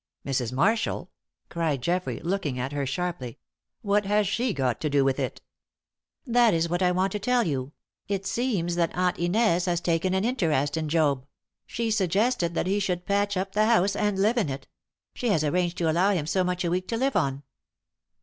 "Mrs. Marshall?" cried Geoffrey, looking at her sharply. "What has she got to do with it?" "That is what I want to tell you, it seems that Aunt Inez has taken an interest in Job; she suggested that he should patch up the house and live in it; and she has arranged to allow him so much a week to live on."